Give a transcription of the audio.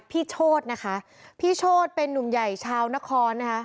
โชธนะคะพี่โชธเป็นนุ่มใหญ่ชาวนครนะคะ